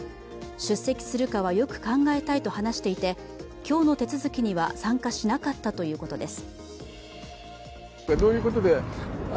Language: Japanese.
出席するかはよく考えたいと話していて今日の手続きには参加しなかったということです。